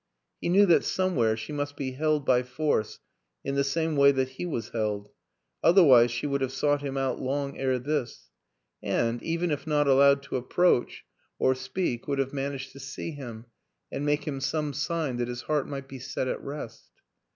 He knew that somewhere she must be held by force in the same way that he was held, other wise she would have sought him out long ere this, and, even if not allowed to approach or speak 122 WILLIAM AN ENGLISHMAN would have managed to see him and make him some sign that his heart might be set at rest.